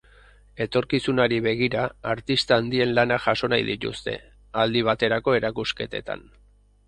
Etorkizunari begira, artista handien lanak jaso nahi dituzte, aldi baterako erakusketetan.